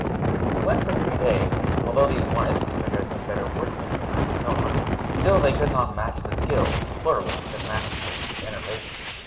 We went for three days, and although these Onists turned out to be better woodsmen than I had thought, still, they could not match the skill we Pluralists have mastered over the generations.